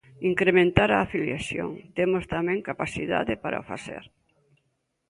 Incrementar a afiliación; temos tamén capacidade para o facer.